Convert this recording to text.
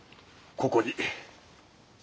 ここに。